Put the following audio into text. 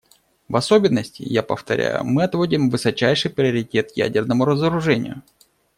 В особенности, я повторяю, мы отводим высочайший приоритет ядерному разоружению.